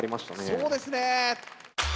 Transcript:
そうですね。